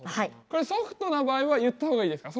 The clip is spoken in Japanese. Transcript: これソフトな場合は言った方がいいですか？